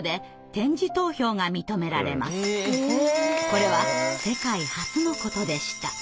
これは世界初のことでした。